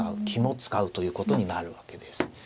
気も使うということになるわけです。